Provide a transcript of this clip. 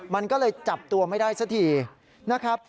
มันก็เลยจับตัวไม่ได้สักทีนะครับ